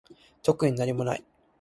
特になにもない